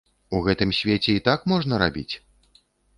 У гэтым свеце і так можна рабіць?!